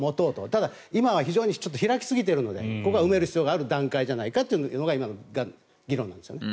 ただ今は開きすぎているのでここは埋める必要があるんじゃないかというのが今の議論なんですね。